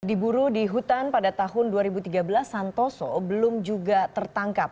diburu di hutan pada tahun dua ribu tiga belas santoso belum juga tertangkap